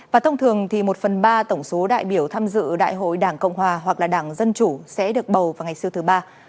và thông thường thì một phần ba tổng số đại biểu tham dự đại hội đảng cộng hòa hoặc là đảng dân chủ sẽ được bầu vào ngày siêu thứ ba